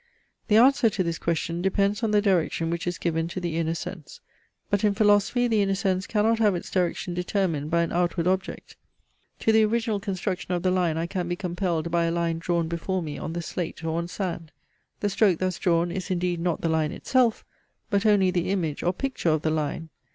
The answer to this question depends on the direction which is given to the inner sense. But in philosophy the inner sense cannot have its direction determined by an outward object. To the original construction of the line I can be compelled by a line drawn before me on the slate or on sand. The stroke thus drawn is indeed not the line itself, but only the image or picture of the line.